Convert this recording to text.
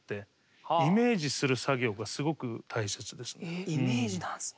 結局イメージなんですね。